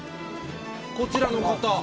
こちらの方。